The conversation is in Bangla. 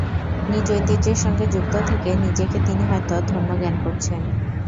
নিজ ঐতিহ্যের সঙ্গে যুক্ত থেকে নিজেকে তিনি হয়তো ধন্য জ্ঞান করছেন।